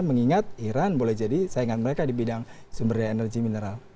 mengingat iran boleh jadi saingan mereka di bidang sumber daya energi mineral